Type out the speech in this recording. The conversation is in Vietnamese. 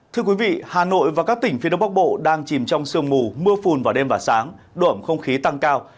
thưa quý vị hà nội và các tỉnh phía đông bắc bộ đang chìm trong sương mù mưa phùn vào đêm và sáng độ ẩm không khí tăng cao